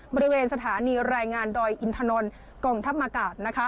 บริเวณสถานีรายงานดอยอินทนนกองทัพอากาศ